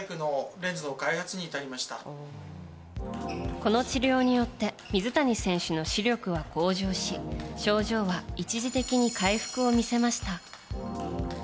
この治療によって水谷選手の視力は向上し症状は一時的に回復を見せました。